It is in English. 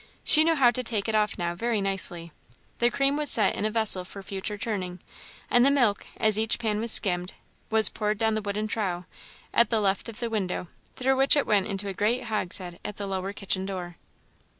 She knew how to take it off now, very nicely. The cream was set by in a vessel for future churning, and the milk, as each pan was skimmed, was poured down the wooden trough, at the left of the window, through which it went into a great hogshead at the lower kitchen door.